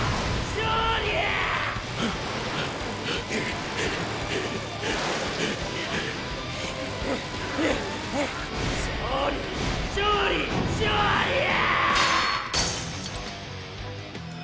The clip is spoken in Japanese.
勝利勝利勝利や！